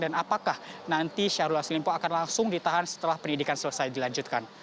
dan apakah nanti syahrul yasin limpo akan langsung ditahan setelah pendidikan selesai dilanjutkan